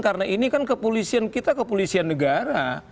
karena ini kan kepolisian kita kepolisian negara